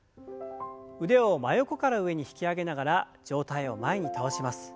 腕を真横から上に引き上げながら上体を前に倒します。